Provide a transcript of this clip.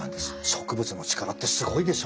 植物の力ってすごいでしょ。